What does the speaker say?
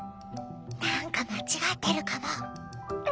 何か間違ってるかも。